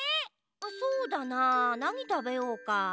そうだななにたべようか？